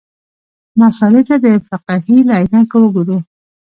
مسألې ته د فقهې له عینکو وګورو.